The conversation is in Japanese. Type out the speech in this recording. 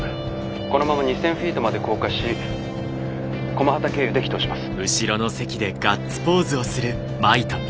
このまま２，０００フィートまで降下し駒畠経由で帰投します。